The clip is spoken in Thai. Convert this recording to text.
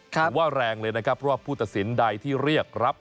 ถือว่าแรงเลยนะครับเพราะว่าผู้ตัดสินใดที่เรียกรับ